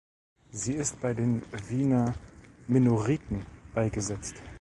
Sie ist bei den Wiener Minoriten beigesetzt.